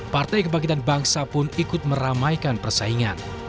partai kebangkitan bangsa pun ikut meramaikan persaingan